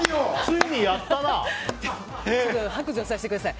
白状させてください。